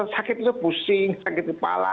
sakit itu pusing sakit di pala